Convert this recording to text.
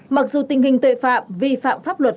mặc dù tình hình tội phạm vi phạm pháp luật